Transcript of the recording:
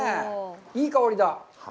いい香りだ。